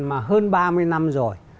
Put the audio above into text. mà hơn ba mươi năm rồi